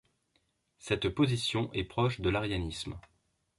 Cette position est proche de l'arianisme.